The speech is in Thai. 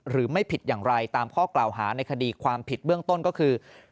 หรือไม่ผิดอย่างไรตามข้อกล่าวหาในคดีความผิดเบื้องต้นก็คือ